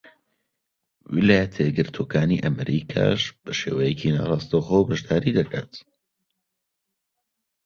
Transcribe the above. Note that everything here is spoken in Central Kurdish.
ویلایەتە یەکگرتووەکانی ئەمریکاش بە شێوەیەکی ناڕاستەوخۆ بەشداری دەکات.